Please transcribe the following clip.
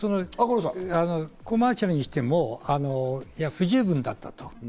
コマーシャルにしても不十分だったと。